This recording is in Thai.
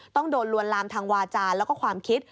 ต้องโดนลวนลามทางวาจาแล้วก็ความคิด